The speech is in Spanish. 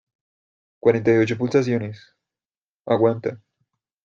cuarenta y ocho pulsaciones. aguanta .